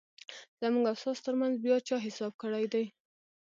زموږ او ستاسو ترمنځ بیا چا حساب کړیدی؟